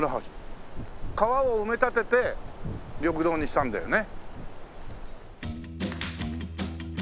川を埋め立てて緑道にしたんだよね。